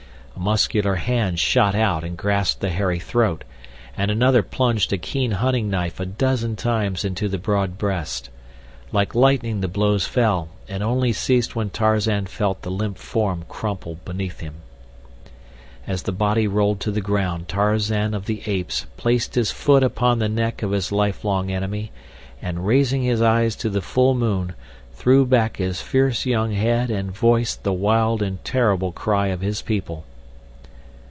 A muscular hand shot out and grasped the hairy throat, and another plunged a keen hunting knife a dozen times into the broad breast. Like lightning the blows fell, and only ceased when Tarzan felt the limp form crumple beneath him. As the body rolled to the ground Tarzan of the Apes placed his foot upon the neck of his lifelong enemy and, raising his eyes to the full moon, threw back his fierce young head and voiced the wild and terrible cry of his people.